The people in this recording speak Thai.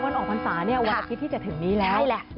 วันออกพรรษาวันอักษริที่จะถึงนี้แล้ว